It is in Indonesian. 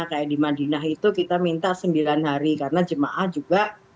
kayak di madinah itu kita minta sembilan hari karena jemaah juga